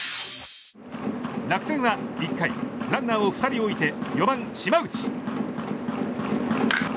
楽天は１回ランナーを２人置いて４番、島内。